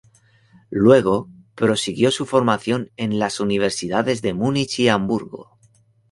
Luego, prosiguió su formación en las universidades de Múnich y Hamburgo.